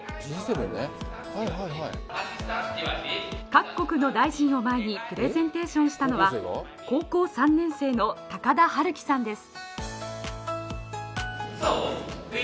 各国の大臣を前にプレゼンテーションしたのは高校３年生の高田悠希さんです。